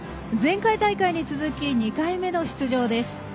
前回大会に続き２回目の出場です。